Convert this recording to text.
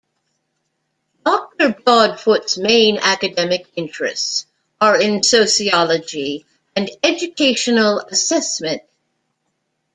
Doctor Broadfoot's main academic interests are in sociology and educational assessment.